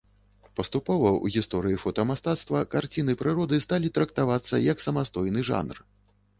Паступова ў гісторыі фотамастацтва карціны прыроды сталі трактавацца як самастойны жанр.